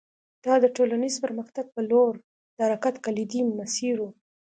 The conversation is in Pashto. دا د ټولنیز پرمختګ په لور د حرکت کلیدي مسیر و